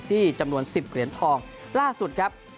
จำนวน๑๐เหรียญทองล่าสุดครับ